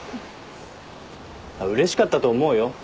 うれしかったと思うよ。